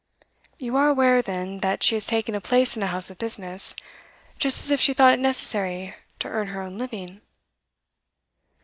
'You are aware, then, that she has taken a place in a house of business, just as if she thought it necessary to earn her own living?